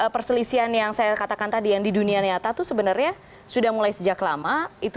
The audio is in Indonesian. perselisihan yang saya katakan tadi yang di dunia nyata itu sebenarnya sudah mulai sejak lama itu